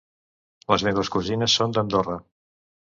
Les meves cosines són d'Andorra.